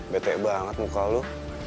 betek banget muka lu